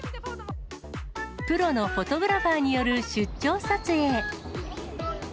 プロのフォトグラファーによる出張撮影。